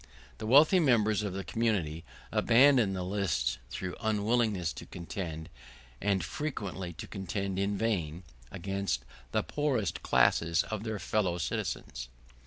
The wealthy members of the community abandon the lists, through unwillingness to contend, and frequently to contend in vain, against the poorest classes of their fellow citizens.